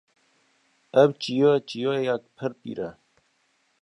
Ev çiya çiyakek pir pîr e